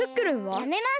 やめます！